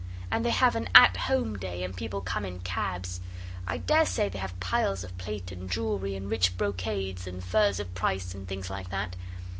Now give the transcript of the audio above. And they have an "At Home" day, and people come in cabs. I daresay they have piles of plate and jewellery and rich brocades, and furs of price and things like that.